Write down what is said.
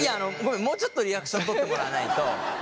もうちょっとリアクション取ってもらわないと。